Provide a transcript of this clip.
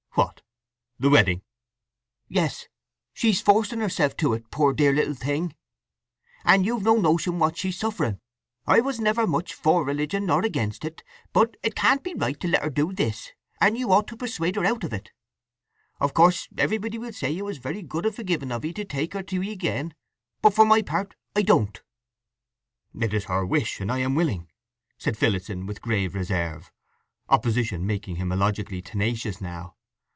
"What—the wedding?" "Yes. She's forcing herself to it, poor dear little thing; and you've no notion what she's suffering. I was never much for religion nor against it, but it can't be right to let her do this, and you ought to persuade her out of it. Of course everybody will say it was very good and forgiving of 'ee to take her to 'ee again. But for my part I don't." "It's her wish, and I am willing," said Phillotson with grave reserve, opposition making him illogically tenacious now.